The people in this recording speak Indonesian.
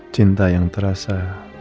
cinta yang terasa